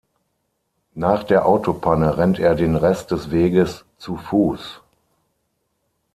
Nach der Autopanne rennt er den Rest des Weges zu Fuß.